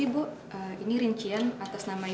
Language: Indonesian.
begini saja juga mas